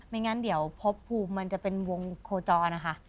ไม่งั้นเดี๋ยวพบภูมิมันจะเป็นวงโคจรนะคะ